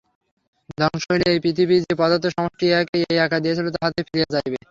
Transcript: ধ্বংস হইলে এই পৃথিবী যে পদার্থ-সমষ্টি ইহাকে এই আকার দিয়াছিল, তাহাতেই ফিরিয়া যাইবে।